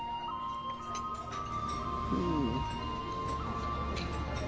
うん。